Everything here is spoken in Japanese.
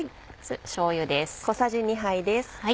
しょうゆです。